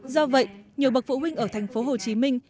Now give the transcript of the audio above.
do vậy nhiều bậc phụ huynh ở thành phố hồ chí minh